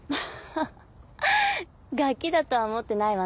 ガキだとは思ってないわ